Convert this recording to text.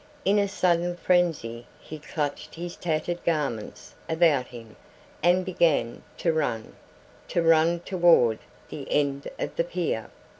In a sudden frenzy he clutched his tattered garments about him and began to run, to run toward the end of the pier.